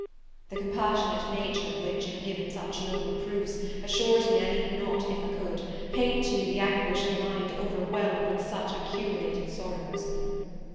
The compassionate nature of which you have given such noble proofs, assures me I need not, if I could, paint to you the anguish of a mind overwhelmed with such accumulated sorrows.